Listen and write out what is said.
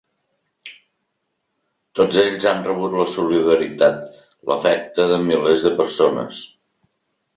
Tots ells han rebut la solidaritat, l’afecte, de milers de persones.